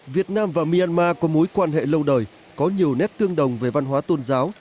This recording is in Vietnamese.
việt nam và myanmar có mối quan hệ lâu đời có nhiều nét tương đồng về văn hóa tôn giáo